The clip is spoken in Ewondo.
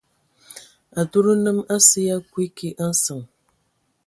Atud nnəm asə ya kuiki a nsəŋ.